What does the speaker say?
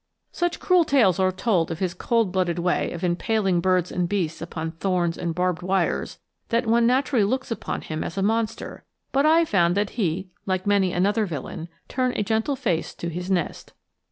Such cruel tales are told of his cold blooded way of impaling birds and beasts upon thorns and barbed wires that one naturally looks upon him as a monster; but I found that he, like many another villain, turns a gentle face to his nest.